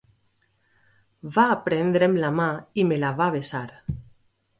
Va prendre'm la mà i me la va besar.